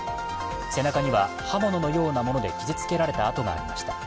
背中には刃物のようなもので傷つけられた跡がありました。